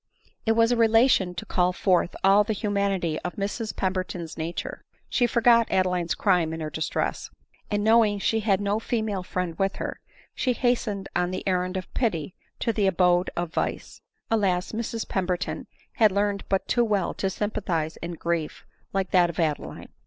It was a relation to call forth all the humanity of Mrs Pemberton's nature. She forgot Adeline's crime in her distress ; and knowing she had no female friend with her, she hastened on the errand of pity to the abode of vice. Alas ! Mrs Pem berton had learned but too well to sympathize in grief like that of Adeline.